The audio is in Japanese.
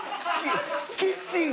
キッチン